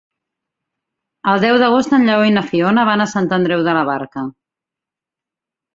El deu d'agost en Lleó i na Fiona van a Sant Andreu de la Barca.